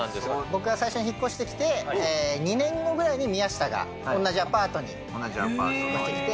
僕が最初に引っ越してきて、２年後ぐらいに宮下が、同じアパートに越してきて。